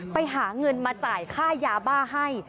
ไปหาเงินมาจ่ายค่ายาบ้าให้